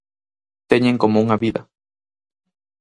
Teñen como unha vida.